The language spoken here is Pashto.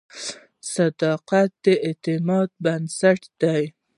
• صداقت د اعتماد بنسټ دی.